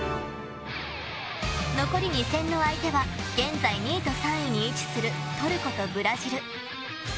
残り２戦の相手は現在２位と３位に位置するトルコとブラジル。